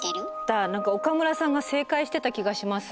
何か岡村さんが正解してた気がします。